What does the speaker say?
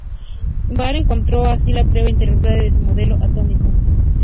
Bohr encontró así la prueba irrefutable de su modelo atómico.